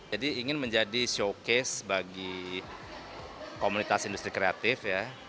jadi ingin menjadi showcase bagi komunitas industri kreatif